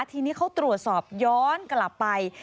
ทีนี้เขาตรวจสอบย้อนกลับไป